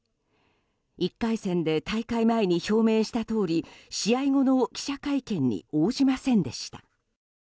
１回戦で大会前に表明したとおり試合後の記者会見に応じませんでした。